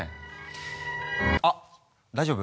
あっ大丈夫？